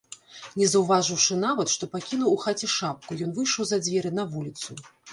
Не заўважыўшы нават, што пакінуў у хаце шапку, ён выйшаў за дзверы, на вуліцу.